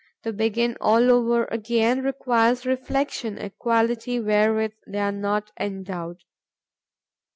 To begin all over again requires reflection, a quality wherewith they are not endowed.